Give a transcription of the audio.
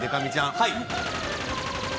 はい。